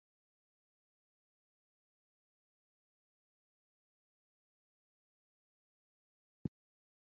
The campus is in the small village of Potsdam, near the Canada-United States border.